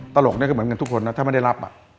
ตลกนี่คือเหมือนกันทุกคนนะถ้าไม่ได้รับ